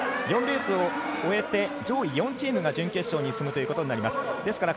４レース終えて上位４チームが準決勝に進むということになります。